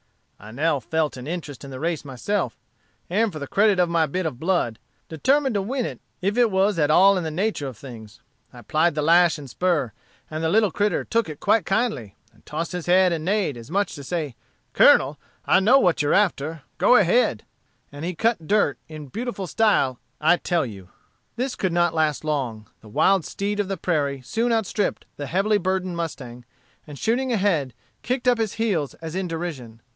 I now felt an interest in the race myself, and, for the credit of my bit of blood, determined to win it if it was at all in the nature of things. I plied the lash and spur, and the little critter took it quite kindly, and tossed his head, and neighed, as much as to say, 'Colonel, I know what you're after go ahead!' and he cut dirt in beautiful style, I tell you." This could not last long. The wild steed of the prairie soon outstripped the heavily burdened mustang, and shooting ahead, kicked up his heels as in derision.